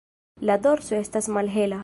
La dorso estas malhela.